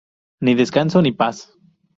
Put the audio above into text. Ni descanso, ni paz!